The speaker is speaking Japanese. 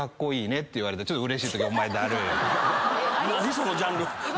そのジャンル⁉何？